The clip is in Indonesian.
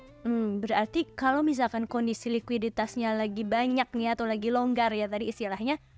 hmm berarti kalau misalkan kondisi likuiditasnya lagi banyak nih atau lagi longgar ya tadi istilahnya